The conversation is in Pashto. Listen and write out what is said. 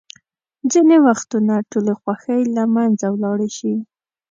ځینې وختونه ټولې خوښۍ له منځه ولاړې شي.